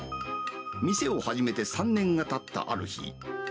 店を始めて３年がたったある日。